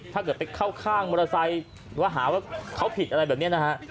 ถ้าเกิดไปเข้าข้างมอเตอร์ไซค์หรือว่าหาว่าเขาผิดอะไรแบบนี้นะฮะ